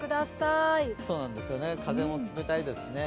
風も冷たいですしね。